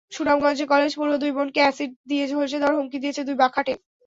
সুনামগঞ্জে কলেজপড়ুয়া দুই বোনকে অ্যাসিড দিয়ে ঝলসে দেওয়ার হুমকি দিয়েছে দুই বখাটে।